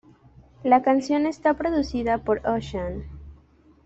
La canción está producida por Ocean.